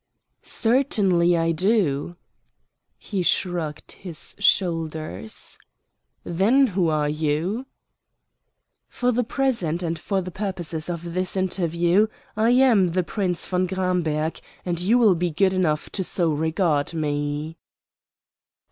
"Certainly I do." He shrugged his shoulders. "Then who are you?" "For the present, and for the purposes of this interview, I am the Prince von Gramberg, and you will be good enough so to regard me."